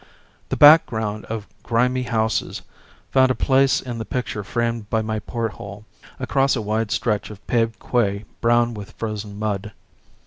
The background of grimy houses found a place in the picture framed by my porthole, across a wide stretch of paved quay brown with frozen mud.